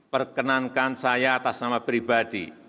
perkenankan saya atas nama pribadi